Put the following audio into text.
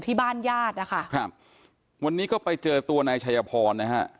ที่บ้านญาตินะคะครับวันนี้ก็ไปเจอตัวนายชัยพรนะฮะ